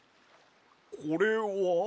これは？